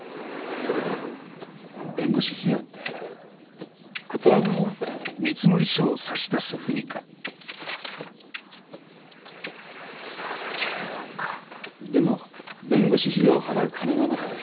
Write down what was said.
それで弁護士費用ってこちらになります３０万かでも弁護士費用を払う金がなくて。